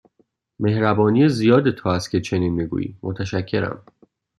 مهربانی زیاد تو است که چنین می گویی، متشکرم.